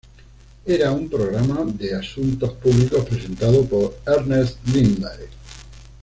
Era un programa de asuntos públicos presentado por Ernest Lindley.